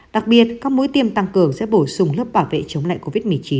đặc biệt các mũi tiêm tăng cường sẽ bổ sung lớp bảo vệ chống lại covid một mươi chín